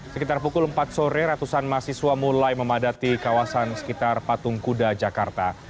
sekitar pukul empat sore ratusan mahasiswa mulai memadati kawasan sekitar patung kuda jakarta